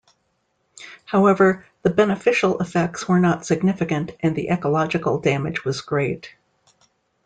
However, the beneficial effects were not significant and the ecological damage was great.